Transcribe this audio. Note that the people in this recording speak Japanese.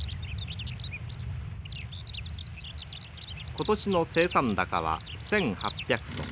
今年の生産高は１，８００トン。